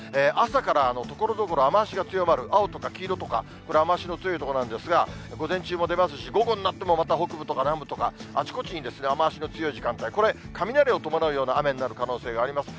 朝からところどころ雨足が強まる、青とか黄色とか、これ、雨足の強い所なんですが、午前中も出ますし、午後になってもまた北部とか南部とか、あちこちに雨足の強い時間帯、これ、雷を伴うような雨になる可能性があります。